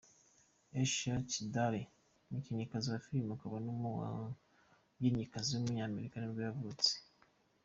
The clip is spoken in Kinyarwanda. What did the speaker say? Ashley Tisdale, umukinnyikazi wa filime akaba n’umuririmbyikazi w’umunyamerika nibwo yavutse.